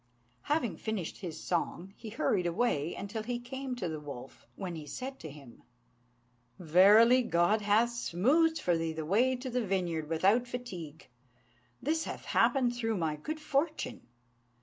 Having finished his song, he hurried away until he came to the wolf, when he said to him, "Verily God hath smoothed for thee the way to the vineyard without fatigue. This hath happened through thy good fortune.